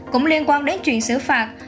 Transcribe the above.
cũng liên quan đến chuyện xử phạt